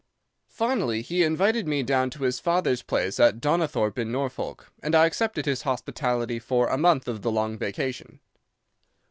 Finally, he invited me down to his father's place at Donnithorpe, in Norfolk, and I accepted his hospitality for a month of the long vacation.